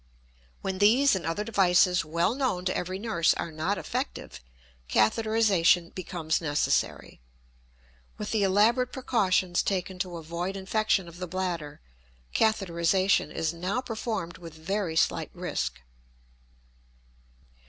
When these and other devices well known to every nurse are not effective, catheterization becomes necessary. With the elaborate precautions taken to avoid infection of the bladder, catheterization is now performed with very slight risk.